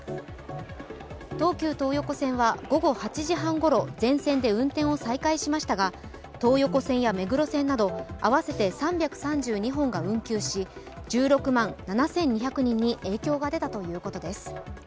東急東横線は午後８時半ごろ全線で運転を再開しましたが東横線や目黒線など合わせて３３２本が運休し、１６万７２００人に影響が出たということです。